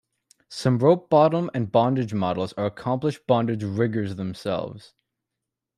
Some rope bottoms and bondage models are accomplished bondage riggers themselves.